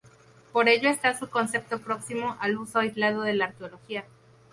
Por ello está su concepto próximo al uso aislado de la arqueología.